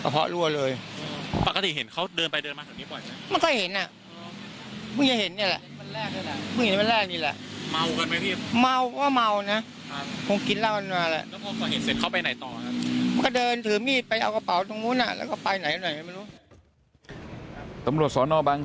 ไปไล่ตรวจสอบฮัง